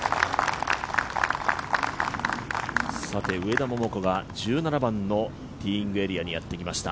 上田桃子が１７番のティーイングエリアにやって来ました。